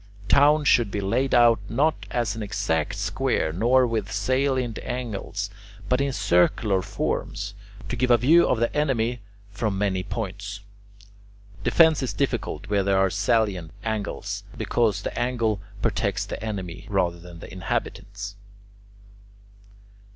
Towns should be laid out not as an exact square nor with salient angles, but in circular form, to give a view of the enemy from many points. Defence is difficult where there are salient angles, because the angle protects the enemy rather than the inhabitants.